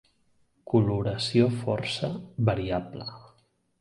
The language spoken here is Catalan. Coloració força variable.